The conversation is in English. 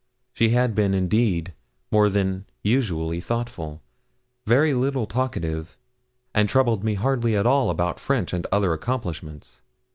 She had been, indeed, more than usually thoughtful, very little talkative, and troubled me hardly at all about French and other accomplishments.